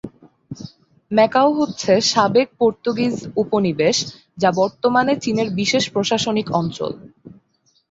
Macaw হচ্ছে সাবেক Portuguese উপনিবেশ যা বর্তমানে চীনের বিশেষ প্রশাসনিক অঞ্চল।